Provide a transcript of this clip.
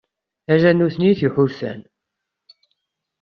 Ala nutni i t-iḥulfan.